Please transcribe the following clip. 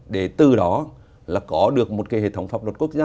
để từ đó là có được một cái hệ thống pháp luật quốc gia